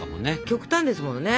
極端ですもんね。